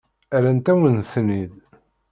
Rrant-awen-ten-id.